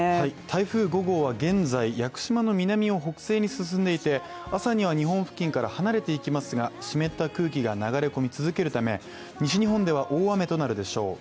台風５号は現在屋久島の南を北西に進んでいて朝には日本付近から離れていきますが湿った空気が流れ込み続けるため、西日本では大雨となるでしょう。